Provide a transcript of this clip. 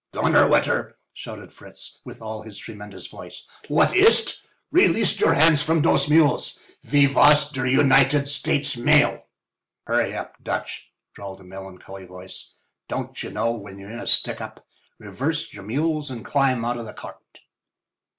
"Donnerwetter!" shouted Fritz, with all his tremendous voice—"wass ist? Release your hands from dose mules. Ve vas der United States mail!" "Hurry up, Dutch!" drawled a melancholy voice. "Don't you know when you're in a stick up? Reverse your mules and climb out of the cart."